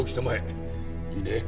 いいね？